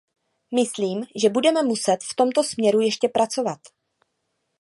Myslím, že budeme muset v tomto směru ještě pracovat.